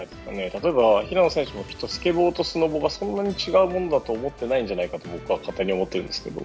例えば、平野選手もスケボーとスノボーがそんなに違うものだと思ってないんじゃないかと僕は勝手に思っているんですけど。